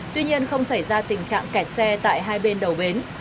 tuy nhiên không xảy ra tình trạng kẹt xe tại hai bên đầu bến